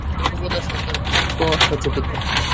ফকির সর্বদা সতর্ক, সচকিত।